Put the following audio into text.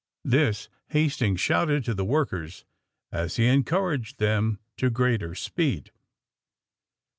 This Hastings shouted to the workers as he encouraged them to greater speed.